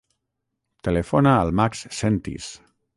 Telefona al Max Sentis.